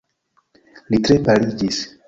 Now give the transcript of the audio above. Li tre paliĝis.